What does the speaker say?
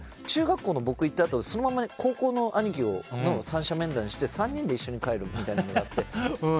中学校の僕のに行ったあとそのまま、高校の兄貴の三者面談にして３人で一緒に帰るみたいにして。